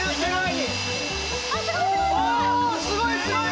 おすごいすごい。